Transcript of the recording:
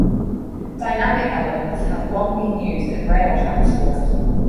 Dynamic elements have long been used in rail transport.